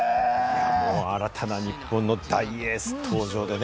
新たな日本の大エース登場でね。